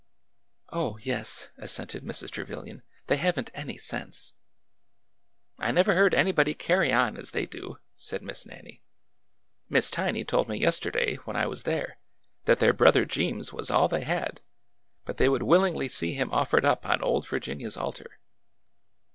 "Oh, yes!" assented Mrs. Trevilian; "they haven't any sense !"" I never heard anybody carry on as they do," said Miss Nannie. " Miss Tiny told me yesterday, when I was there, that their brother Jeems was all they had, but they would willingly see him offered up on old Virginia's altar."